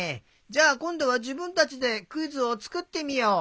じゃあこんどはじぶんたちでクイズをつくってみよう！